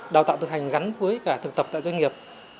đào tạo thực hành gắn với cả thực tập tại doanh nghiệp